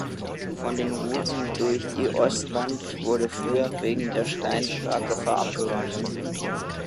Von den Routen durch die Ostwand wurde früher wegen der Steinschlaggefahr abgeraten.